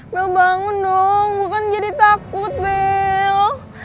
bell bangun dong gue kan jadi takut bell